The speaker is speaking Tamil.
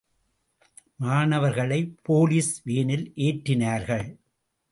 மாணவர்களை போலீஸ் வேனில் ஏற்றினார்கள்.